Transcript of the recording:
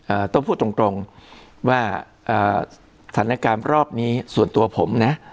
ต้องพูดตรงตรงว่าเอ่อสถานการณ์รอบนี้ส่วนตัวผมนะ